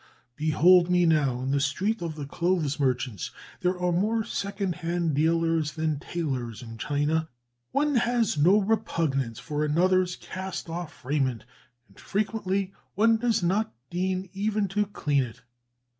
"Behold me now in the street of the clothes merchants; there are more second hand dealers than tailors in China; one has no repugnance for another's cast off raiment, and frequently one does not deign even to clean it.